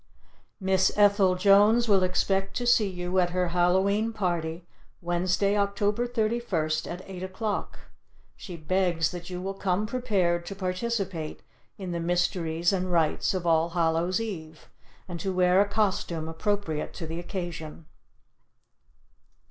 Miss Ethel Jones will expect to see you at her Hallow e'en Party Wednesday, Oct. 31st, at 8 o'clock. She begs that you will come prepared to participate in the mysteries and rites of All Hallow's Eve, and to wear a costume appropriate to the occasion.